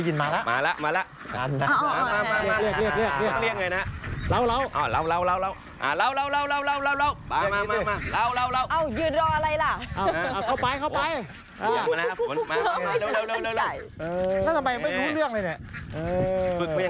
พวกเข้าไปทำไมไม่รู้เรื่องเรื่อย